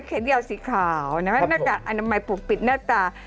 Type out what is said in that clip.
แขนเยาสีขาวนะครับนากากอันน้ำใหม่ปลูกปิดหน้าตา